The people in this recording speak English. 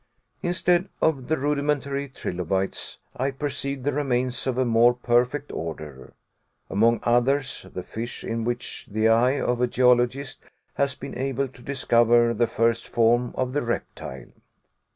Instead of the rudimentary trilobites, I perceived the remains of a more perfect order. Among others, the fish in which the eye of a geologist has been able to discover the first form of the reptile.